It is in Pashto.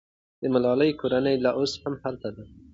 د ملالۍ کورنۍ لا اوس هم هلته ده.